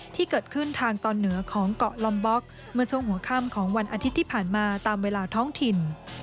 ที่เกิดขึ้นทางตอนเหนือของเกาะลอมบ็อกเมื่อช่วงหัวค่ำของวันอาทิตย์ที่ผ่านมาตามเวลาท้องถิ่น